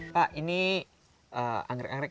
pak ini anggrek anggrek